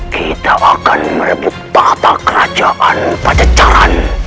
kita akan merebut tata kerajaan pancacaran